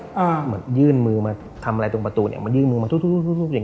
ว่ายื่นมือมาทำอะไรตรงประตูยื่นมือมาตุ๊กเนี่ย